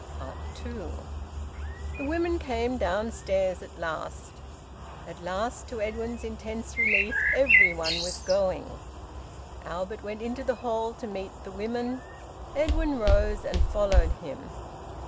TWO. The women came downstairs at last. At last, to Edwin's intense relief, every one was going. Albert went into the hall to meet the women. Edwin rose and followed him.